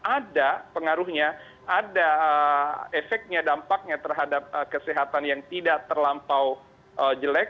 ada pengaruhnya ada efeknya dampaknya terhadap kesehatan yang tidak terlampau jelek